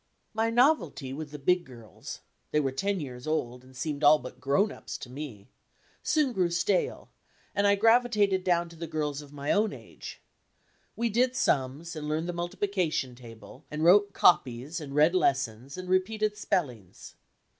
My novelty with the "big girls" they were ten years old and seemed all but grown up to me soon grew stale, and I gravitated down to the girls of my own age. We "did" sums, and learned the multiplication table, and wrote "co pies," and read lessons, and repeated spellings.